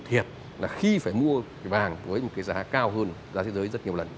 thiệt là khi phải mua vàng với giá cao hơn giá thế giới rất nhiều lần